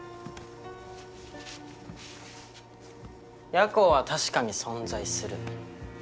夜行は確かに存在する。